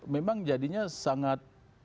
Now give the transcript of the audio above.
memang jadinya saatnya kita bisa melupakan itu ya